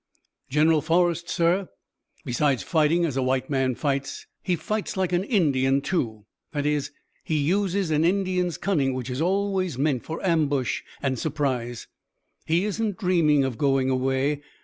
"General Forrest, sir, besides fighting as a white man fights, fights like an Indian, too; that is, he uses an Indian's cunning, which is always meant for ambush and surprise. He isn't dreaming of going away.